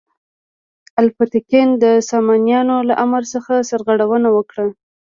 الپتکین د سامانیانو له امر څخه سرغړونه وکړه.